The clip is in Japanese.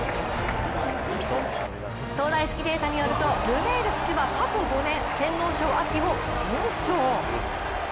東大式データによると、ルメール騎手は過去５年、天皇賞秋を４勝。